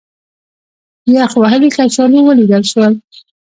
یخ وهلي کچالو ولیدل شول.